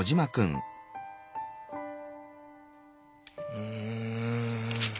うん。